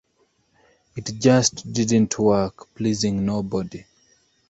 It just didn't work, pleasing nobody.